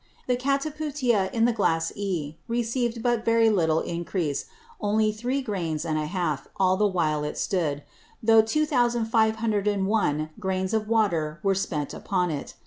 The Cataputia in the Glass E, received but very little Encrease, only three Grains and an half all the while it stood, though 2501 Grains of Water were spent upon it.